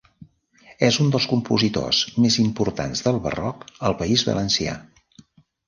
És un dels compositors més importants del Barroc al País Valencià.